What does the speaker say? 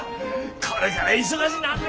これから忙しなんで！